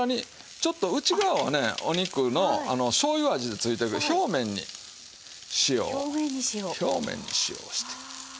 ちょっと内側はねお肉の醤油味ついてるけど表面に塩を表面に塩をして。